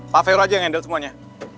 pak fau aja yang handle semuanya